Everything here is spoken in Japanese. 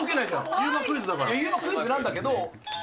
ＵＭＡクイズなんだけど。